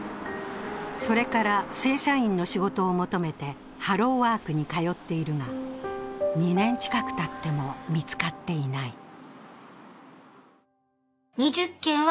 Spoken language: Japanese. それから正社員の仕事を求めてハローワークに通っているが、２年近くたっても見つかっていない。